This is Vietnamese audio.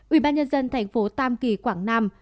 ubnd thành phố tam kỳ quảng nam